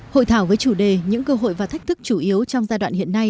hội thảo với chủ đề những cơ hội và thách thức chủ yếu trong giai đoạn hiện nay